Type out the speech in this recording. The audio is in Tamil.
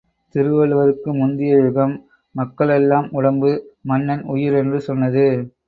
திருவள்ளுவருக்கு முந்திய யுகம், மக்களெல்லாம் உடம்பு மன்னன் உயிர் என்று சொன்னது.